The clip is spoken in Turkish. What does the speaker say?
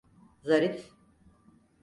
Zarif…